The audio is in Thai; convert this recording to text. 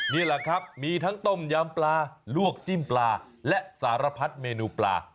นี่แหละครับมีทั้งต้มยำปลาลวกจิ้มปลาและสารพัดเมนูปลา